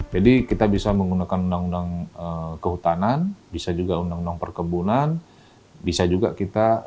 jadi kita bisa menggunakan undang undang kehutanan bisa juga undang undang perkebunan bisa juga kita